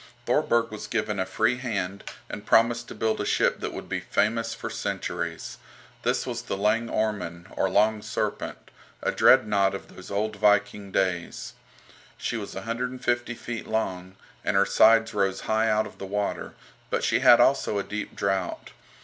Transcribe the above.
Thorberg was given a free hand, and promised to build a ship that would be famous for centuries. This was the "Lang Ormen," or "Long Serpent," a "Dreadnought" of those old Viking days. She was 150 feet long, and her sides rose high out of the water, but she had also a deep draught.